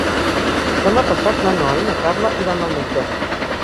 Demà passat na Noa i na Carla iran al metge.